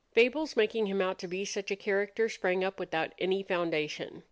Fables making him out to be such a character sprang up without any foundation.